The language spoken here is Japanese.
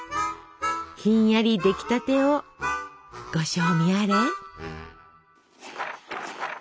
ひんやり出来たてをご賞味あれ！